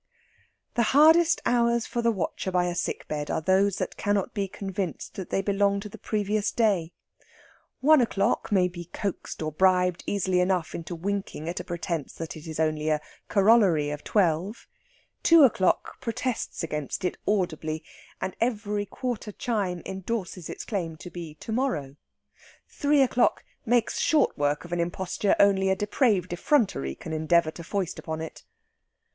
The hardest hours for the watcher by a sick bed are those that cannot be convinced that they belong to the previous day. One o'clock may be coaxed or bribed easily enough into winking at a pretence that it is only a corollary of twelve; two o'clock protests against it audibly, and every quarter chime endorses its claim to be to morrow; three o'clock makes short work of an imposture only a depraved effrontery can endeavour to foist upon it.